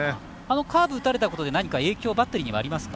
カーブを打たれたことで何か影響はバッテリーにはありますか？